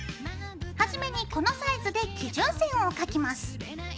初めにこのサイズで基準線を描きます。